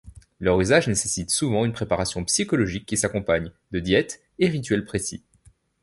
Leur usage nécessite souvent une préparation psychologique qui s’accompagne de diète et rituels précis.